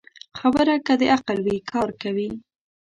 خبره که د عقل وي، کار کوي